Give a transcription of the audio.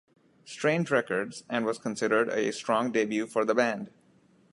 Strange Records, and was considered a strong debut for the band.